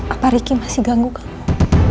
apa ricky masih ganggu kamu